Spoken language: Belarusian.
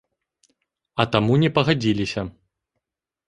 А таму не пагадзіліся.